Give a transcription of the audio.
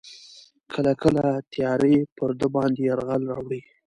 کله کله تیارې پر ده باندې یرغل راوړي.